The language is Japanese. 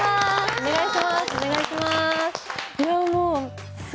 お願いします。